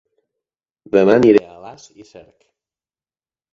Dema aniré a Alàs i Cerc